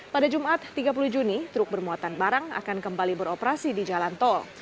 pada jumat tiga puluh juni truk bermuatan barang akan kembali beroperasi di jalan tol